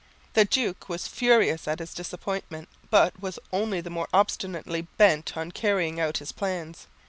The duke was furious at his disappointment, but was only the more obstinately bent on carrying out his plans.